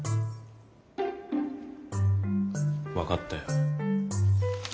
分かったよ。